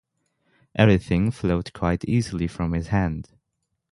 Everything flowed quite easily from his hand.